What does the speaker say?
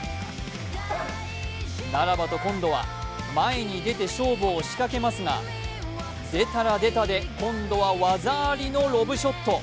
ならばと今度は前に出て勝負を仕掛けますが出たら出たで、今度は技ありのロブショット。